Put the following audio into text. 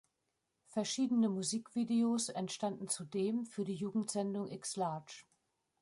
Verschiedene Musikvideos entstanden zudem für die Jugendsendung X-Large.